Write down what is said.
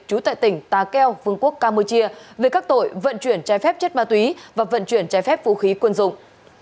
trú tại tỉnh ta keo vương quốc campuchia về các tội vận chuyển trái phép chất ma túy và vận chuyển trái phép vũ khí quân dụng